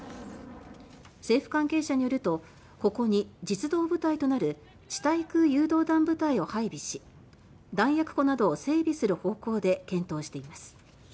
政府関係者によるとここに実動部隊となる地対空誘導弾部隊を配備し弾薬庫などを整備する方向で検討しています。